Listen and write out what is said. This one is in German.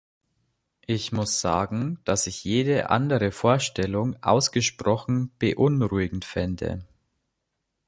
Ich muss sagen, dass ich jede andere Vorstellung ausgesprochen beunruhigend fände.